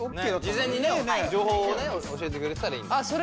事前にね情報をね教えてくれてたらいいんだ。